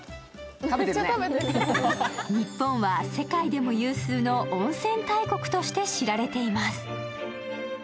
日本は世界でも有数の温泉大国として知られています。